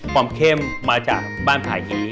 เข้มมาจากบ้านผ่ายฮี